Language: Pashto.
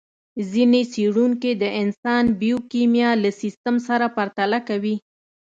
ځينې څېړونکي د انسان بیوکیمیا له سیستم سره پرتله کوي.